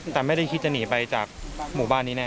แต่ไม่ได้คิดจะหนีไปจากหมู่บ้านนี้แน